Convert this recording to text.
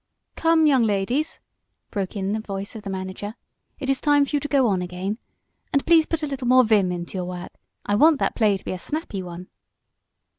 "Come, young ladies!" broke in the voice of the manager. "It is time for you to go on again. And please put a little more vim into your work. I want that play to be a snappy one."